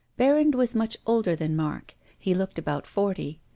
Berrand was much older than Mark. He looked about forty.